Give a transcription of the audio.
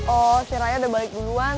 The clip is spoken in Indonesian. oh si raya udah balik duluan